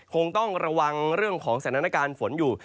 คงต้องระวังเรื่องของสัญลักษณะการฝนอยู่